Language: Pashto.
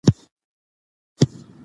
په ښوونځي کې د ماشومانو زړونه نه ماتېږي.